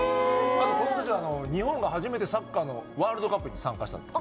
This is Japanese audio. あとこの年日本が初めてサッカーのワールドカップに参加したの。